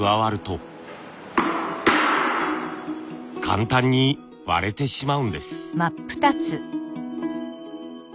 簡単に割れてしまうんです。